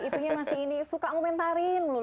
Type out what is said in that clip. itunya masih ini suka ngomentarin belum